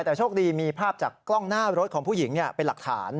แต่โชคดีมีภาพจากกล้องหน้ารถของผู้หญิงเป็นหลักฐาน